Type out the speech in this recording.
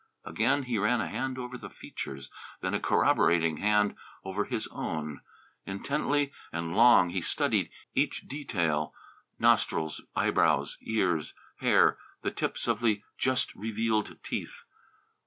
Again he ran a hand over the features, then a corroborating hand over his own. Intently and long he studied each detail, nostrils, eyebrows, ears, hair, the tips of the just revealed teeth.